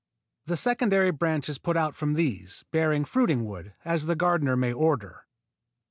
The secondary branches put out from these, bearing fruiting wood, as the gardener may order.